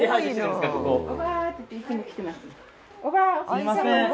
すみません！